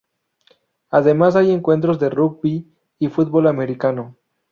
Además hay encuentros de rugby y fútbol americano.